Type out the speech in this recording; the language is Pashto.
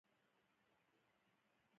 اوړه د سهارنۍ لویه برخه ده